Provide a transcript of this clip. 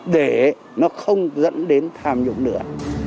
để nó không dẫn đến tham nhũng nữa